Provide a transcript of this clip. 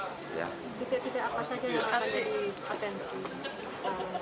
tidak tidak apa saja yang arti atensi